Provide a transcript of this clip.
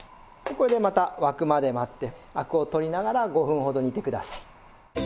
これでまた沸くまで待ってアクを取りながら５分ほど煮てください。